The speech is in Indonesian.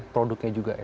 produknya juga ya